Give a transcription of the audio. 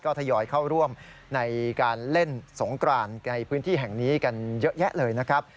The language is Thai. ทยอยเข้าร่วมในการเล่นสงกรานในพื้นที่แห่งนี้กันเยอะแยะเลยนะครับ